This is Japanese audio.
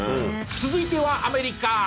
続いてはアメリカ。